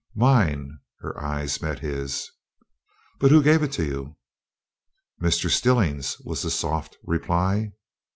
"Mine " her eyes met his. "But who gave it to you?" "Mr. Stillings," was the soft reply.